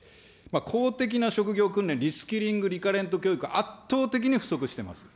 公的な職業訓練、リスキリング、リカレント教育、圧倒的に不足しています。